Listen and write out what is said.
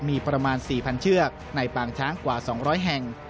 มีประมาณ๔๐๐เชือกในปางช้างกว่า๒๐๐แห่ง